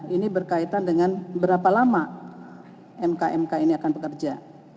ini berkaitan dengan berapa lama mk mk ini akan bekerja